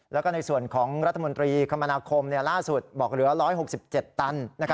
แล้วก็ในส่วนของรัฐมนตรีคมนาคมล่าสุดบอกเหลือ๑๖๗ตัน